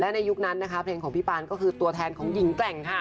ในยุคนั้นนะคะเพลงของพี่ปานก็คือตัวแทนของหญิงแกร่งค่ะ